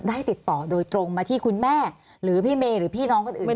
ติดต่อโดยตรงมาที่คุณแม่หรือพี่เมย์หรือพี่น้องคนอื่น